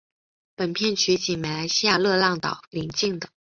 本片取景于马来西亚热浪岛邻近的。